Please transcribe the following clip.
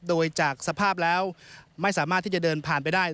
โดยจากสภาพแล้วไม่สามารถที่จะเดินผ่านไปได้